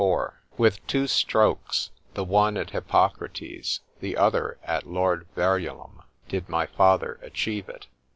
XXXIV WITH two strokes, the one at Hippocrates, the other at Lord Verulam, did my father achieve it.